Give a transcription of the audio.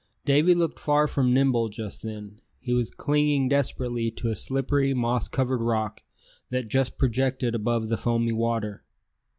Davy looked far from nimble just then. He was clinging desperately to a slippery moss covered rock that just projected above the foamy water.